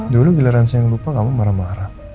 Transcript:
dulu giliran saya yang lupa kamu marah marah